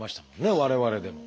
我々でも。